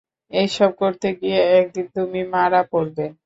এসব করতে গিয়ে একদিন তুমি মারা পড়বে।